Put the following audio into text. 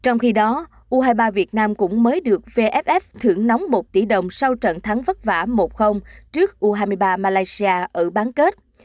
trong khi đó u hai mươi ba việt nam cũng mới được vff thưởng nóng một tỷ đồng sau trận thắng vất vả một trước u hai mươi ba malaysia ở bán kết